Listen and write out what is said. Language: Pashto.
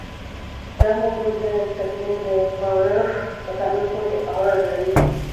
دا موضوع د کتلې د پایښت په قانون پورې اړه لري.